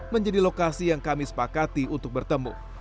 menjadi lokasi yang kami sepakati untuk bertemu